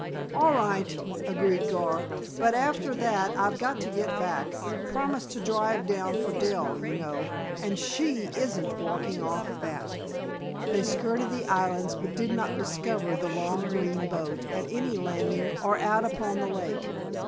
"All right," agreed, Gar, "but after that I've got to get back. Promised to drive down for Dell, you know, and she isn't walking off fat." They skirted the islands but did not discover the long green boat at any landing or out upon the lake.